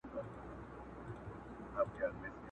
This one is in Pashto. له هيبته به يې تښتېدل پوځونه٫